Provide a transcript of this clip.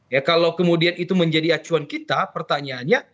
ya kalau kemudian itu menjadi acuan kita pertanyaannya